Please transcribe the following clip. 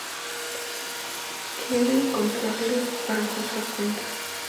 Quiere encontrarle para ajustar cuentas.